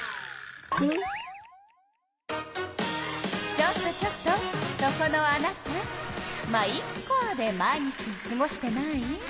ちょっとちょっとそこのあなた「ま、イッカ」で毎日をすごしてない？